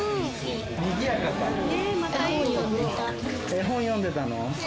絵本読んでたの？